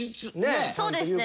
そうですね。